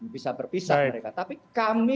bisa berpisah mereka tapi kami